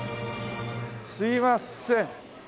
すいません。